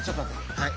はい。